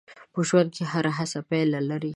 په ژوند کې هره هڅه پایله لري.